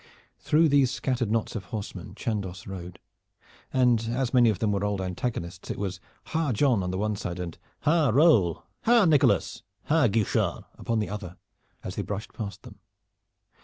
Through these scattered knots of horsemen Chandos rode, and as many of them were old antagonists it was "Ha, John!" on the one side, and "Ha, Raoul!" "Ha, Nicholas!" "Ha, Guichard!" upon the other, as they brushed past them.